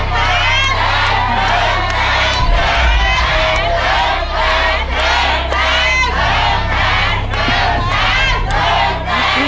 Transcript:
สุดท้ายสุดท้ายสุดท้าย